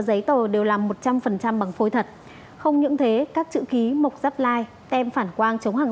giấy tờ đều là một trăm linh phần trăm bằng phối thật không những thế các chữ ký mộc giáp like tem phản quang